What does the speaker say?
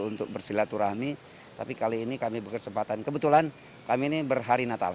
untuk bersilaturahmi tapi kali ini kami berkesempatan kebetulan kami ini berhari natal